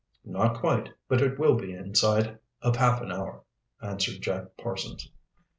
"Not quite, but it will be inside of half an hour," answered Jack Parsons.